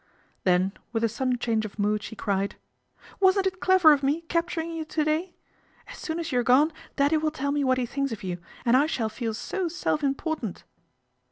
Then with a sudden hange of mood she cried, " Wasn't it clever of ne capturing you to day ? As soon as you're ;one Daddy will tell me what he thinks of you, .nd I shall feel so self important."